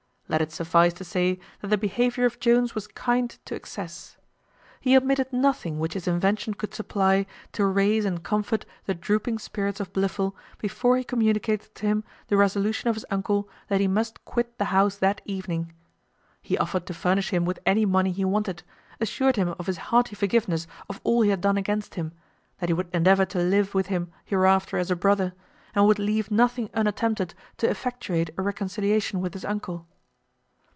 Let it suffice to say, that the behaviour of Jones was kind to excess. He omitted nothing which his invention could supply, to raise and comfort the drooping spirits of Blifil, before he communicated to him the resolution of his uncle that he must quit the house that evening. He offered to furnish him with any money he wanted, assured him of his hearty forgiveness of all he had done against him, that he would endeavour to live with him hereafter as a brother, and would leave nothing unattempted to effectuate a reconciliation with his uncle.